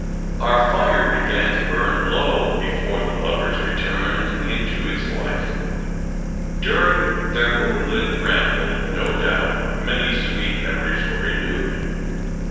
Our fire began to burn low, before the lovers returned into its light. During their moonlit ramble, no doubt, many sweet memories were renewed.